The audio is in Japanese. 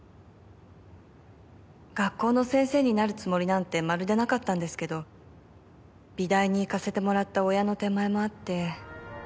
学校の先生になるつもりなんてまるでなかったんですけど美大に行かせてもらった親の手前もあって。